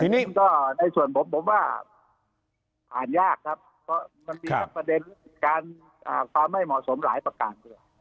ในส่วนผมผมว่าผ่านยากครับเพราะมันมีประเด็นการความไม่เหมาะสมหลายประการ